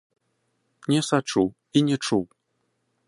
Не сачу і не чуў.